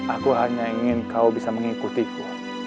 aku hanya ingin kau bisa mengikuti aku